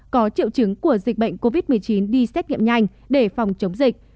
có triệu chứng của dịch bệnh covid một mươi chín đi xét nghiệm nhanh để phòng chống dịch